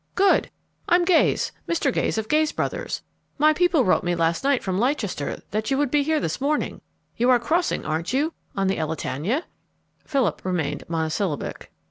"Good! I'm Gayes Mr. Gayes of Gayes Brothers. My people wrote me last night from Leicester that you would be here this morning. You are crossing, aren't you, on the Elletania?" Philip remained monosyllabic.